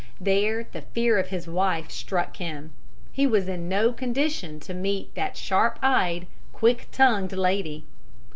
There the fear of his wife struck him. He was in no condition to meet that sharp eyed, quick tongued lady!